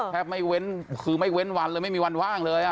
แทบไม่เว้นคือไม่เว้นวันเลยไม่มีวันว่างเลย